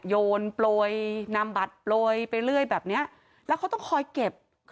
โยนโปรยนำบัตรโปรยไปเรื่อยแบบเนี้ยแล้วเขาต้องคอยเก็บ